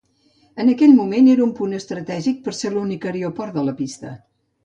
En aquell moment era un punt estratègic per ser l'únic aeroport de la pista.